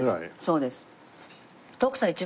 そうです。